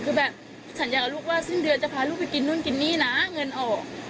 คือแบบสัญญากับลูกว่าสิ้นเดือนจะพาลูกไปกินนู่นกินนี่นะเงินออก